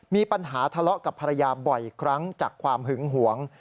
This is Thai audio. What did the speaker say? มีปัญหาทะเลาะกับภรรยาบ่อยครั้งจากความหึงหวง